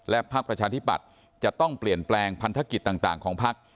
พักประชาธิปัตย์จะต้องเปลี่ยนแปลงพันธกิจต่างของพัก